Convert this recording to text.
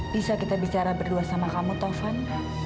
bisa kita bicara berdua sama kamu taufan